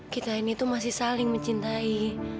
kita ini tuh masih saling mencintai